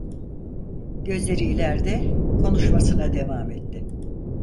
Gözleri ilerde, konuşmasına devam etti: